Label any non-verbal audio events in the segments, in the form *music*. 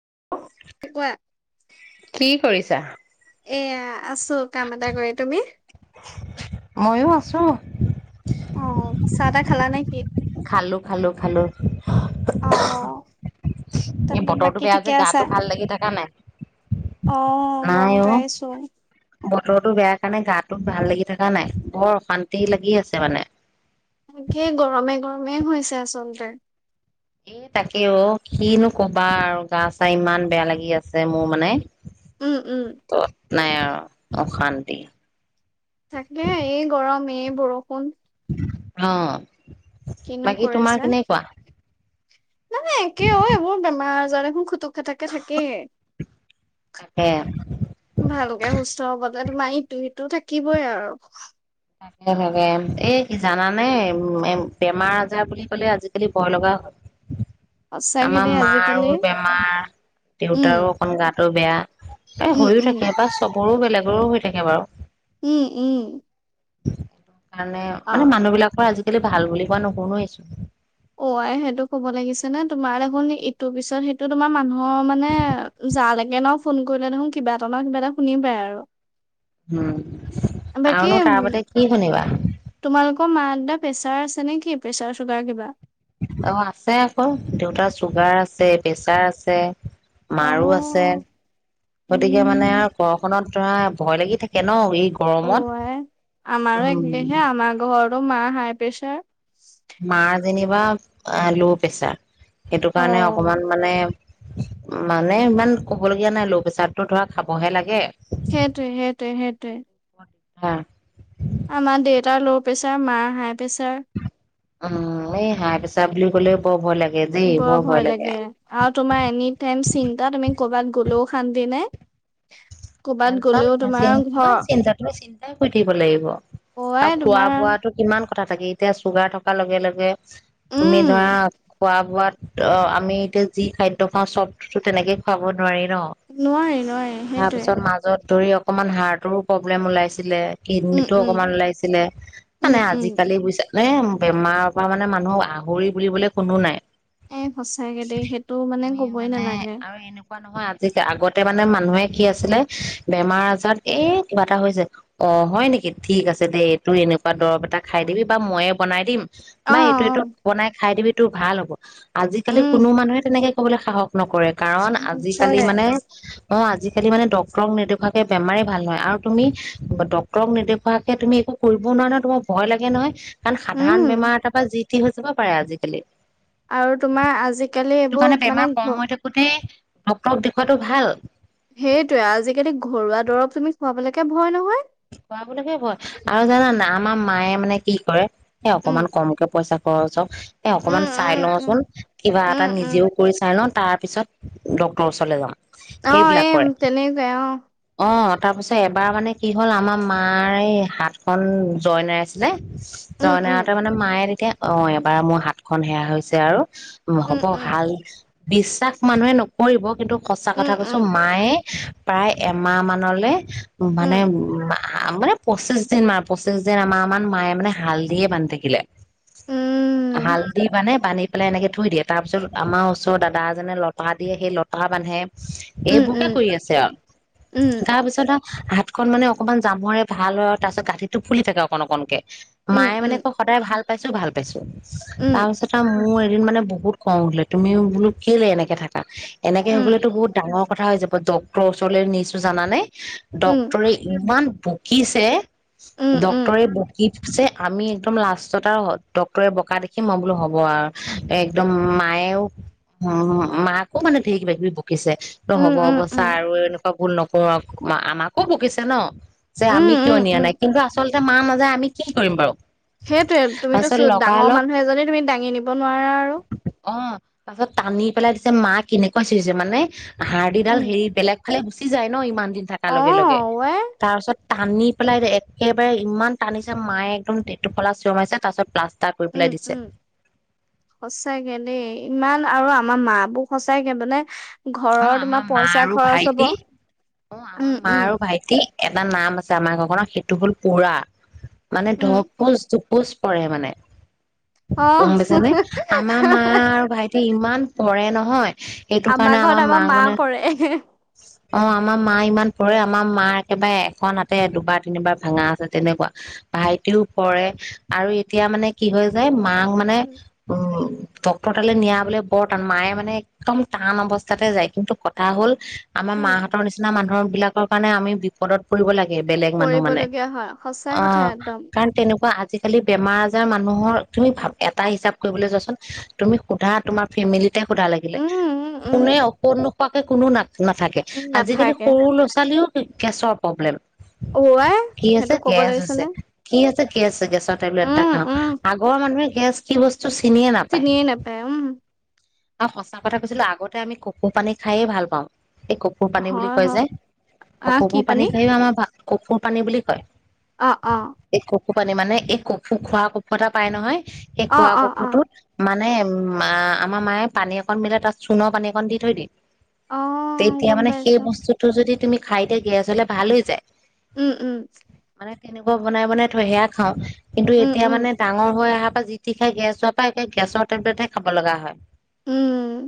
হয়। কোৱা কি কৰিছা? এয়া আছো কাম এটা কৰি তুমি ময়ো আছোঁ। অ চাহ তাহ খালা নে কি খালো খালো খালো অ এই তাৰপত বতৰটো বাকী বেয়া যে ঠিকে আছা গাটো ভাল লাগি থকা নাই। অ গম পাইছো আতটো বেয়াৰ কাৰণে গাটো ভাল লাগি থকা নাই বৰ অশান্তি লাগি আছে মানে তকেই গৰমে গৰমে হৈছে আচলতে এ তাকে অ কিনো কবা আৰু গা চা ইমান বেয়া লাগি আছে মোৰ মানে উম উম ত নাই আৰু অশান্তি তাকে এই গৰম বৰষুণ অ কিনো বাকী তোমাৰ কেনেুৱা? নাইাই কিয়ও এইবোৰ বেমাৰ যাৰোন খুটুক খটাাককা থাকে তাকে ভালকে সুস্থ হ'ব মাৰতো সেইটো থাকিবই আৰু তাকে তাকে এ কি জানানে বেমাৰ আজাৰ বুলি ক'লে আজিকালি বয় লগা হল সঁচাকে আমাৰ দেই মাৰো আজিকালি বেমাৰ উম দেউতাৰো অকন গাত ৰু বেয়া এ উম হৈও উম থাকে বা চবৰো বেলেগ গৰু হৈ থাকে বাৰু উম উম *unintelligible* স কাৰণে অ মানে মানুহবলাকৰ আজি খ ভাল বুলি কোৱা নশুনোৱেইছো অ আই সেইটো কব লাগিছে নে তোমাৰ দেখোন ইটোৰ পিছত সিটো তোমাৰ মানুহৰ মানে যালৈকে ন ফোন কৰিলে দেখোন কিবা এটা ন কিবা এটা শুনিবাই আৰু উম বাকী আৰুনো উম, তাৰ বাতে কি শুনিবা তোমালোকৰ মা দেতা প্ৰেছাৰ আছে নে কি প্ৰেছাৰ চুগাৰ কিবা অ আছে আকৌ দেউতাৰ চুগাৰ আছে প্ৰেচাৰ আছে অ মাৰো আছে গতিকে মানে উম আৰু ঘ খত ধৰা ভয় লাগি থাকে ন এই অ গৰমত আই আমাৰো উম একেহে আমাৰ ঘৰত হ মা হাই প্ৰেছাৰ মাৰ যেনিবা ল' প্ৰেচাৰ সেইটো অ কাৰণে অকমান মানে মানে ইমান ক'ব লগগীয়া নাই লো প্ৰেচাততো ধৰা খাবহে লাগে সেইটোৱে সেইটোৱ সেইটোৱে হ আমা দেতাৰ ল' প্ৰেচাৰ মাৰ হাই প্ৰেছাৰ উম এই হাই পেচাৰ বুলি ক'লেও বৰ ভয় লাগে বৰ ভয় লাগে আৰু তোমাৰ এনি টাইম চিন্তা তুমি কৰ'বাত গলও শান্তি নাই কৰ'বাত ন গ'লেও তোমাৰ ঘৰ চিন্তা তুমি চিন্তাই কৰি থাকিব লাগিব আৰু অৱাই খোৱা তোমাৰ বোৱাটো কিমান কথা থাকে এতিয়া চুগাৰ থকাৰ লগে লগে তুমি উম ধৰা খোৱা বোৱাত অ আমি এতিয়া যি খাদ্য খাওঁ চবটোটো তেনেকেই খুৱাব নোৱাৰি ন নোৱাৰি নোৱাৰি সেইটোয়ে তাৰপিছত মাজত ধৰি অকমান হাৰ্টৰো প্ৰব্লেম ওলাইছিলে উম কডনীতো উম অকমান ওলাইছিলে উম মানে উম আজিকালি বুজা নে বেমাৰৰ পৰা মানে মানুহ আহৰি বুলিবলে কোনো নাই এ সঁচাকে দেই সেইটো মানে কবই নালাগে এনেকোৱা নহয় আজি আগতে মানে মানুহে সি আছিলে বেমাৰ আজাৰ এই কিবা এটা হৈছে অ হয় নেকি ঠিক আছে দেই এই তোৰ এনেকুৱা দৰব এটা খাই দিবি বা ময়ে বনাই দিম অ বা এইটো অ এইটো বনাই খাই দিবি সেই টো ভাল হ'ব আজিকালি উম কোনো মানুহে তেনেকে ক'বলৈ সাহক নকৰে কাৰণ আজিকালি নিশ্চয় মানে অ আজি খালি মানে ডক্তটৰক নেদখুৱাকে বেমাৰেই ভাল হয় আৰু তুমি ড্ক্তৰক নেদেখুৱাকে তুমি একো কৰিবও নোৱা নহয় তোমাৰ ভয় লাগে নহয় কাৰণ উম সাধাৰণ বেমাৰ এটাৰ পৰা যি কি হৈ যাব পাৰে আজিকালি আৰু তোমাৰ আজিকালি এইবোৰ মানে ঘ ডক্টক দেখুৱৱাতটো ভাল সেইটয়ে আজিকালি ঘৰুৱা দৰৱ তুমি খোৱাবলৈকে ভয় নহয় শ খোৱা বুলি সে হয় আৰু জানানা আমাৰ মায়ে মানে কি কৰে স উম অকমান কমকে পইচা খৰচ হ এ অকমান উম চাই উম উম লচোন কিবা উম এটা উম নিজেও কৰি চাই লওঁ তাৰ তপিছত ডক্টৰৰ ওচৰলৈ যওঁ অ এম তেনেকে অ অ তাৰপিছত এবাৰ মানে কি হ'ল আমাৰ মাৰ এই হাতখনন জইনা এৰাই ছিলে উম উম তনেতে মানে মায়ে তেতিয়া অ এবাৰ মোৰ হাতখন সেয়া হৈছে আৰু উ উম হ'ব ভাল বিশ্বাস মানুহে নকৰিব কিন্তু সঁচা উম কথা কৈছো উম মায়ে প্ৰায় এমাহ মানলৈ উম মানে মানে পঁচিশ দিন মান পঁচিশ দিন আমাৰান মায়ে মানে হালধিয়ে বান্ধি থাকিলে উম হালধি মানে বান্ধি পেলাই এনেকে থৈ দিয়ে তাৰ পিছত আমাৰ ওচৰৰ দাদা এজনে লতা দিয়ে সেই লতা বান্ধে উম এইবোৰকে উম কৰি আছে আৰু উম তাৰপিছত আৰু হাঠু অকন মানে অকনমান জামৰে ভাল হয় তাৰ পিছ গা়তটো ফুলি থাকে অকন অকনকে উম উম মায়ে মানে ক' সদায় ভাল পাইছো ভাল পাইছো উম উম তাৰপিছত আ মোৰ এ দিন মানে বহুত খঙ উঠিলে তুমি বোলো কেলে এনেকে থাকা। এনেকে হ'বলেতো উম বহুত ডাঙৰ। কথা হৈ যাব ডক্তৰৰ ওচৰলৈ নিছো জানা নে। ডক উম ইমান বকিছে। উম, উম, ডক্টৰে বকি ছে আমি একদম লাষ্টত আৰু ডক্তৰে বোকা দেখিম মই বোলো হ'ব আৰু একদম মায়েও, মাকো মানে ধেৰি কিবা কিবি ব পিছে ত উম, হ'ব উম, অৱস্থা উম, আৰু এ ভুল নকৰো আমাক ও বকিছে ন। যে আমি উম, কিয় উম, নিয়া উম, নাই কিন্তু আচলতে মা নাযায় আমি কি কৰিম বাৰু সেইটোৱে তুমিতো তাৰপিছত ডাঙৰ লগালগ মানুহ এজনী তুমি দাঙি নিব নোৱাৰা আৰু অ' তাৰ পাছত টানি পেলাই দিছে, মা কেনেকুৱা চিঞৰিছে মানে। হাড় দিডাল উম, হেৰি বেলেগ। ফালে গুচি যায় ন ইমান দিন থাকা লগে লগে অ', *unintelligible* ৱে তাৰপাছত টানি পেলাই একেবাৰে ইমান টানিছে মায়ে একদম টেটুফলা চিয়ৰ মাৰিছে তাৰ পিছত প্লাষ্ট উম উম সঁচাকে দেই। ইমান আৰু আমাৰ মা বোৰ সঁচাকে মানে অ' ঘৰৰ আমাৰ তোমাৰ মা পইচা আৰু খৰচ হ'ব ভাইটি অ' আমাৰ উম, মা উম, আৰু ভাইটি এটা নাম আছে আমাৰ ঘৰখনৰ। সেইটো হ'ল পোৰা। মানে উম, *unintelligible* পোষ্ট পৰে মানে? গম অ', পাইছানে আমাৰ মা আৰু ভাইটি তে ইমান পৰে নহয়। এইটো আমাৰ কাৰণে ঘৰত আমাৰ মাক মা মানে পৰে। অ আমাৰ মা ইমান পৰে আমাৰ মা একেবাৰে এখন আাতে দুবাৰ তিনিবাৰ ভাঙা আছে তেনেকুৱা ভাইটিও পৰে আৰু এতিয়া মানে কি হৈ যায় মাক মানে উম, উম ডক্টৰ তালৈ নিয়া বলে বৰ টান মায়ে মানে একদম টান অৱস্থা তাতে যায় কিন্তু কটা হ'ল। আমাৰ উম, মাহঁতৰ নিচিনা মানু *unintelligible* বিলাকৰ কাৰণে আমি বিপদত পৰিব লাগে। *unintelligible* বেলেগ মানুহ মানে। পৰিবলগীয়া হয় সঁচা কথা অ', একদম কাৰণ তেনেকুৱা আ আজিকালি বেমাৰ আজাৰ মানুহৰ তুমি ভাব - এটা হিচাপ কৰিবলৈ যোৱাচোন, তুমি সোধা তোমাৰ ফেমিলিত তে সুধা লাগিলে উম, উম, উম, কোনে *unintelligible* *unintelligible* কোনো *unintelligible* নাথাকে। উম, আজিকালি নাথাকে সৰু লৰ ছোৱালীও *unintelligible* গেছৰ পব্লেম। অ', আই কি হৈছে? সেইটো ক'ব গেছ হৈছে। লাগিছেনে কি আছে? গেছ - গেছৰ টেবলেট এটা উম, খাওঁ। উম, আগৰ মানুহে গেছ কি বচ *unintelligible* চিনিয়ে নাপায়। চিনিয়ে নাপায় উম। অ' সঁচা কথা কৈছিলো আগত তে আমি *unintelligible* পানী খায়ে ভাল পাওঁ। এই কপূৰ পানী বুলি হয় কয় হয় যে। অ' আহ কি কপূৰ পানী *unintelligible* আমাৰ ভা কপূৰ পানী বুলি কয়। অ', অ। *unintelligible* মানে এই *unintelligible* খোৱা *unintelligible* এটা পায় নহয় সেই অ খোৱা অ অ *unintelligible* নে মা - আমাৰ মায়ে পানী অকণ মিলাই তাত চূ সোণৰ পানী একণ দি থৈ দি। অ তেতিয়া গম মানে সেই পাইছো বস্তুটো যদি তুমি *unintelligible* গেছ হলে ভাল হৈ যায়। উম, উম। মানে তেনেকুৱা বনাই বনাই থৈ সেয়া খাওঁ। কিন্তু উম এতিয়া উম মানে ডাঙৰ হৈ আহা *unintelligible* যি তি খাই গেছ হোৱাৰ পৰা একে গেছৰ টেবলেটহে খাব লগা হয়। উম।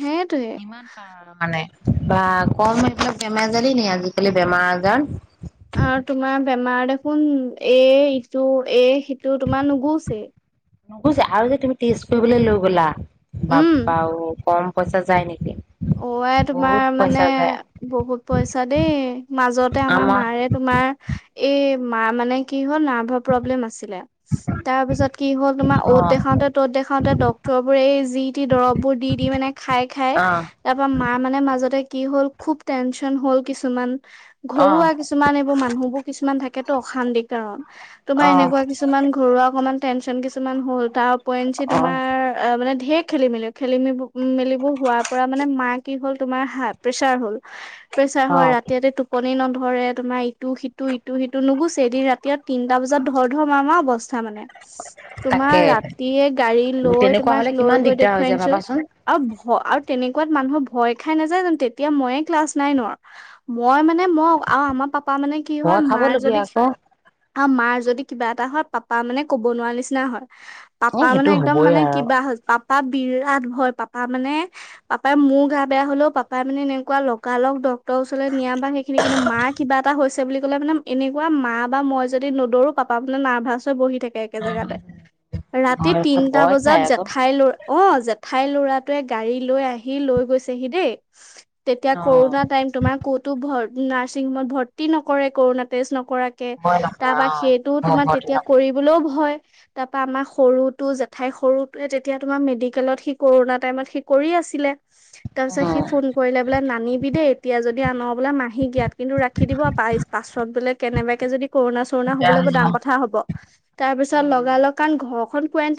সেইটোৱে ইমান *unintelligible* মানে। বা! কম এইবিলাক বেমেজলি নি আজিকালি বেমাৰ আজাৰ। আৰু তোমাৰ বেমাৰ দেখোন এ ইটো এ সিটো তোমাৰ নুগুছে। নুগুছে আৰু যে তুমি টেষ্ট কৰিবলৈ লৈ গ'লা উম বাপ্পাও কম পইচা যায় নেকি? অ আই! তোমাৰ বহুত মানে পইচা যায় বহুত পইচা দেই। মাজতে আমাৰ মায়েৰে তোমাৰ এই মাৰ মানে কি? ৱাৰ্ডৰ প্লেবেম তাৰ পিছ কি হ তোমাৰ অ অত দেখাওতে ত'ত দেখাও খাউণ্ডে দৰব বোৰ যি টি দি অ খাই। মা মানে মাজত তে কি হ'ল খুব টেনচন হ'ল কিছুমান অ ঘৰুৱা কিছুমান এইবোৰ মানুহবোৰ কিছুমান থাকে টো অশান্তিৰ কাৰণ তোমাৰ অ এনেকুৱা কিছুমান ঘৰুৱা অকনমান কিছুমান হ'ল তাৰ পইঞ্চি অ তোমাৰ অ মানে ধঢেৰ খেলি মিলি খেলি উ মেলিবোৰ হোৱাৰ পৰা কি হল তোমাৰ প্ৰেচাৰ প্ৰেচাৰ অ হয় ৰাতি ৰাতি টোকত নধৰে তোমাৰ ইটো সিটো ইটো সিটো নুগুচছে এদিন ৰাতিয়ে তিনিটা বজাত ধৰ ধৰা মাৰ মাৰ অৱস্থা া মানে তোমাৰ তাকে ৰাতিয়ে গাড়ী লৈ তেনেকুৱা তোমাক হলে লৈ কিমান গৈ দিগদাৰ হৈ দেখুৱাই যায় আনিছো ভাবাচোন আৰু তেনেকুৱাত মানুহৰ ভয় খাই নাযায় যেো তেতিয়া মইে ক্লাছ নাইনৰ মই মানে মই আৰু আমাৰ পাপ পাপা মানে কি হয় ভয় মাৰ খাবলগীয়া যদি আকৌ আৰু মাৰ যদি কিবা এটা হয় পাপা মানে ক'ব নোৱাৰা নিচিনা হয়। এ পাপা মানে সেইটো একদম হ'বই মানে আৰু কিবা হল পাপা পাপা বিৰাট ভয় পাপা মানে? পাপাই মোৰ গা বেয়া হলেও পাপাই মানে এনেকুৱা লগাল লগ ডক্টৰ ৰ ওচৰলৈ নিয়া বা সেইখিনি কিন্তু মা কিবা এটা হৈছে বুলি ক'লে মানে এনেকুৱা মা বা মই যদি নদৰো পাপা মানে নাৰ্ভাছ হৈ বহি থাকে। একে জেগাতে ৰাতি ভয় তিনটা ভয় খাই বজাত আকৌ জেঠাই ল অ জেঠাই ল'ৰাটোৱে গাড়ী লৈ আহে সি লৈ গৈছেহি দেই তেতিয়া অ কৰোণনা টাইম তোমাৰ ক'তো ভৰ নাৰ্ছিং হোমত ভৰ্তি নকৰে কৰোণা টেষ্ট ন কৰাকে ভয় নকৰা তাৰপা সেইটো অ তোমাৰ ভয়তে তেতিয়া নকৰা কৰিবলৈও ভয়। তাৰ পৰা আমাৰ সৰুটোো জেঠাই সৰু তয়ে তেতিয়া তোমাৰ মেডিকেলত সি কৰোণনা টাইমত সি কৰি আছিলে তাৰ পিছত সি উম ফোন কৰিলে বোলে নানিবি দেই এতিয়া যদি আন বোলে মাহী গিয়াত কিন্তু ৰাখি দিব প পাছত বোলে কেনেবাকে যদি কৰোণা চৰোণা দিগদাৰ হবলৈ হৈ ব ডাৰ যাব কথা হব তাৰ পিছত উম লগা লগ কাৰণ ঘৰখনন ক এঞ্চ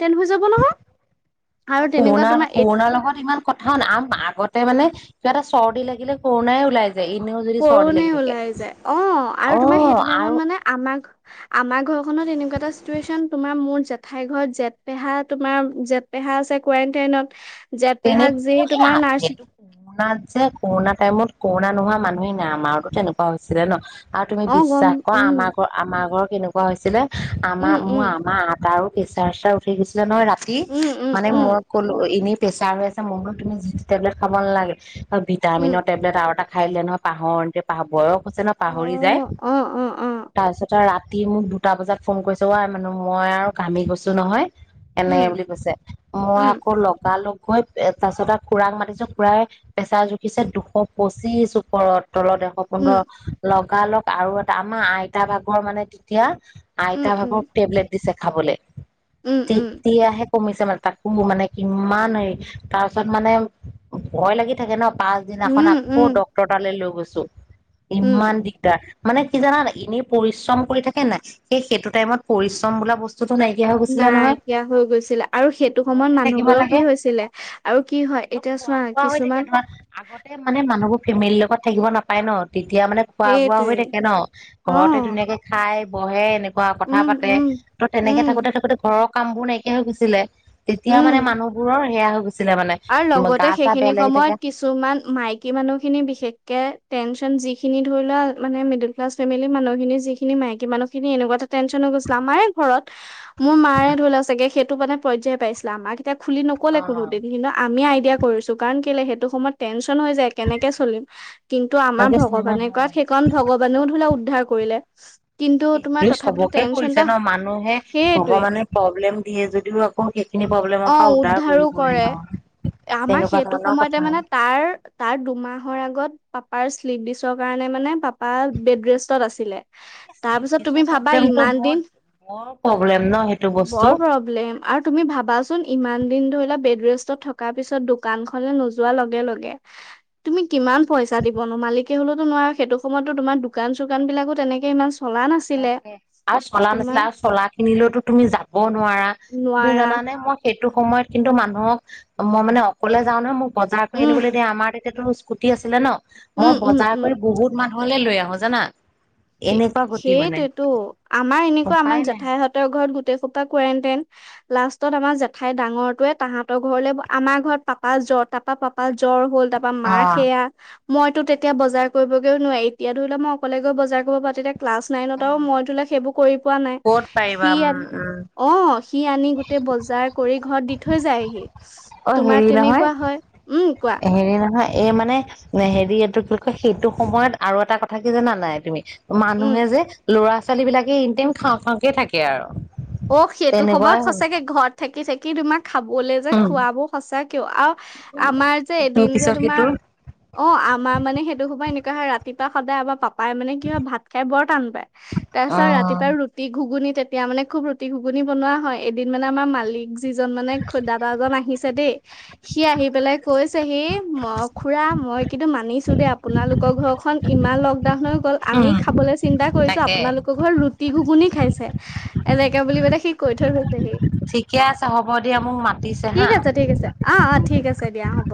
আৰু তেনেকুৱা কৰোণাৰ তোমাৰ এ কৰোণাৰ লগত ইমান কথাও ন আন আগতে মানে কিবা এটা চৰ্দি লাগিলে কৰৰুণাই ওলাই যায় এনেও যদি চৰ্দি কৰুণে লাগি থাকে ওলাই যায় অ আৰু অ তোমাৰ সেইটো আৰু টাইমত মানে আমাক আমাৰ ঘ ত এনেকুৱা এটা চিটুৱেচন তোমাৰ মোৰ জেঠাই ঘৰত জেঠপেহা তোমাৰ জেঠপেহা আছে জেঠ পেহাক যি তেনে-তেনে এই তোমাৰ নাৰ্ছ সেইটো কৰোণাত যে কৰোণা টাইমত। কৰোণা নোহোৱা মানুহেই নাই আমাৰতো তেনেকুৱা হৈছিলে ন। আৰু তুমি অ' গম বিশ্বাস কৰা উম, আমাৰ ঘ আমাৰ ঘৰত। কেনেকুৱা হৈছিলে। আমা উম, মোৰ উম, আমা আতা আৰু পচাৰ চচাৰ উঠি গৈছিলে নহয় ৰা কি উম, উম, মানে উম, মই কলো এনে প্ৰেছাৰ হৈ আছে মই বোলো তুমি যিটি টেবলেট খাব নালাগে। উম। ভিটামিনৰ টেবলেট আৰু এটা। খাইলে নহয় পাহৰ এ পাহ বয়স চন পাহৰি যায় তাৰপিছত আৰু ৰা তিন দুটা বজাত ফোন কৰিছে অ আই মানে মই আৰু ঘামি গৈছো নহয়। এনেকে বুলি কৈছে মই আকৌ লগালক গৈ তাৰ পিছত আৰু খুৰাক মাতিছো খুৰাই পেছাৰ জুখিছে দুশ পঁচিশ ওপৰত তলত এশ পোন্ধৰ ল লগালক আৰু এটা আমাৰ আইতা ভাগৰ মানে তেতিয়া। আইতাভাগৰ টেবলেট দিছে খাবলৈ। উম উম তেতিয়াহে। কমিছে মানে তাক মোৰ মানে কিমান এই। তাৰ পিছত মানে ভয় লাগি থাকে ন। উম পাছদিনাখন উম আকৌ উম ডক্টৰ তালৈ লৈ গৈছে চ উম ইমান দিগদাৰ। মানে কি জানা এনেই পৰিশ্ৰম কৰি থাকে নাই সেই সেইটো টাইমত পৰিশ্ৰম বোলা বস্তু নাইকিয়া হৈ গৈছিলে আৰু সেইটো সময়ত ঘৰতে থাকিব মানুহবোৰক লাগে কি হৈছিলে। আৰু কি হয় এতিয়া খোৱা চোৱা বোৱা হৈ থাকে কিছুমান ধৰা আগতে মানে মানুহবোৰ ফেমিলিৰ লগত থাকিব নাপায় ন তেতিয়া মানে খোৱা বোৱা হৈ সেইটোৱে থাকে ন অ ঘৰতে ধুনীয়াকে খাই। বহে এনে কোৱা কথা উম পাতে উম ত' তেনেকে উম থাকোতে থাকোতে ঘৰৰ কামবোৰ নাইকিয়া হৈ গৈছিলে। তেতিয়া মানে উম মানুহবোৰৰ সেয়া গৈছিলে মানে আৰু গা লগতে চা সেইখিনি বেয়া লাগি থাকে সময়ত কিছুমান মাইকী মানুহখিনি বিশেষকে টেনচন যিখিনি ধৰি লোৱা মানে মডল ক্লা ফেমিলি মানুহখিনি যিখিনি মকী মানুহখিনি এনেকুৱা এটা টেনচন গৈছিলে আমাৰে ঘৰত মোৰ মাৰে ধৰা চাগে খেই ত মে পৰ্যায় পাইছিলে আমাৰ এতি খুলি অ নক'লে কৰোঁতে বোলিলো আমি আইডিয়া কৰিছো কাৰণ কেলে সেইটো সময়ত টেনছ যায় কেনেকে চলিম কিন্তু আমাৰ তেনেকে চিনেমা ভগৱানে কাত হয় সেইখনণ ভগৱানেও ধা উদ্ধাৰ কৰিলে কিন্তু তোমাৰ এইটো তথাপিতো সবকে টেনচন কৰিছে এটা ন মানুহে সেইটোৱে ভগৱানে প্ৰব্লেম দিয়ে যদিও আকৌ সেইখিনি প্ৰব্লেমৰ অ পৰা উদ্ধাৰ উদ্ধাৰো কৰিবই কৰে ন আমাৰ সেইটো সময়তে মানে তাৰ তাৰ দুমাহৰ আগত পাপাৰ শ্লিপ দিছ কাৰণে মানে পাপা বৰ ব্যস্ত আছিলে বৰ চিফটিছৰ প্ৰব্লেমটো বৰ বৰ প্ৰব্লেম ন সেইটো বস্তু। প্লেলেম তুমি ইমান ভাবাচোন ৰে থকাৰ পিছত দোকান খনেলে নোযোৱা লগে লগে তুমি কিমান পইচা দিবনো মালিকে হলেওতো নোৱাৰ সেইটো সময়তো তোমাৰ দোকান চোকান বিলাকো তেনেকে ইমান চলা নাছিলে তে আৰু চলা তোমাৰ নাছিলে আৰু চলা খিনিলৈতো তুমি যাব নোৱাৰা তুমি নোৱাৰা জানানে মই সেই স সময়ত কিন্তু মানুহক মই মানে অকলে যাওঁ নহয় ম বজাৰ উম আনিবলৈ দয়া আমাৰ তেতি তো স্কুটি আছিলে ন উম মই উম বজাৰ উম কৰি বহুত মানুহ নহলে লৈ আহো জানা এনেকুৱা কথা সেইটোেতো আমাৰ এনেকুৱা আমাৰ নাই জেঠাইহঁতৰ ঘৰত গ গো সোপা কটাইন লাষ্টত আমাৰ জেঠাই ডাঙৰটোৱে তাহাঁতৰ ঘৰলে আমাৰ ঘৰত পাপা জ তাপা পাপা জ্বৰ হ'ল তাৰ পৰাা মাহ অ'। সেয়া মইতো তেতিয়া বজাৰ কৰিবগৈ নোৱাৰি এতিয়া ধৰি লোৱা মই অকলে গৈ বজাৰ হ'ব তেতিয়া ক্লাছ নাইনতও মই তোলে সেইবোৰ কৰি পোৱা নাই ক'ত পাৰিবা সি উম আনি উম অ সি আনি গোটেই বজাৰ কৰি ঘৰত দি থৈ যায়হি অ তোমাৰ হেৰি নহয় তেনেকুৱা হয় উম কোৱা হেৰি নহয় এই মানে হেৰি এইটো কি কয় সেইটো সময়ত আৰু এটা কথা কি জানা নাই তুমি উম মানুহে যে ল'ৰা লৰা ছোৱালী বিলাকে এনিটাইম খাওঁ খাওঁকে থাকে আৰু অ সেইটো সময় তেনেকুৱাই হ'ল সঁচাকে ঘৰত থাকি থাকি কি তোমাক খাবলে যে উম খোৱাবোৰ সচা কিয় আৰু আমাৰ যে ইটোৰ এদিন যে পিছত তোমাৰ সিটো অ আমাৰ মানে সেইটো সোবা এ কাহা ৰাতিপা সদায় আবাৰ পা পাই মানে কি হয় ভাত খাই বৰ টান পায় অ তাৰপািছত ৰাতিপুৱা ৰুটি ঘুগুন তেতিয়া মানে খুব ৰাতি ঘুগুনি বনোৱা হয় এদিন মানে আমাৰ মালিক যিজন মানে খুদ দাদাজন আহিছে দেই সি আহি পেলাই কৈছে সি ম খুৰা মই কিন্তু মানিছো দেই আপোনালোকৰ ঘৰখনন ইমান লকডাউন হৈ আমি উম খাবলৈ চিন্তা কৰিছো তাকে আপোনালোকৰ ঘৰত ৰু টিহু বুলি খাইছে এনেকে বুলি মান সি কৈ থৈ গৈছেহি ঠিকে আছে হ'ব দিয়া মোক মাতিছে হা ঠিক আছে ঠিক আছে অ অ ঠিক আছে দিয়া হ'ব